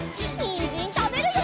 にんじんたべるよ！